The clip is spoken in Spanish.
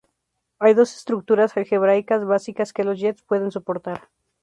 Hay dos estructuras algebraicas básicas que los jets pueden soportar.